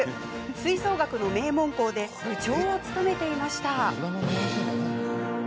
吹奏楽の名門校で部長を務めていました。